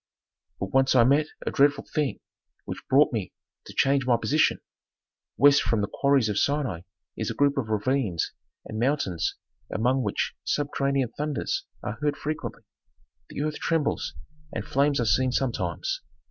"But once I met a dreadful thing which brought me to change my position. West from the quarries of Sinai is a group of ravines and mountains among which subterranean thunders are heard frequently, the earth trembles, and flames are seen sometimes.